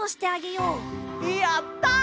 やった！